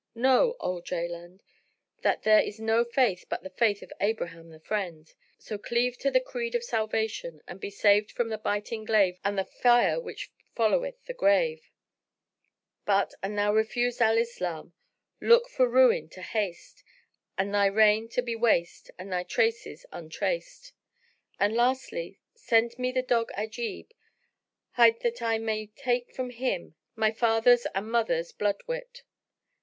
Know, O Jaland, that there is no faith but the Faith of Abraham the Friend; so cleave to the Creed of Salvation and be saved from the biting glaive and the Fire which followeth the grave * But, an thou refuse Al Islam look for ruin to haste and thy reign to be waste and thy traces untraced * And, lastly, send me the dog Ajib hight that I may take from him my father's and mother's blood wit."